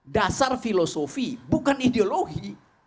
dasar filosofi bukan ideologi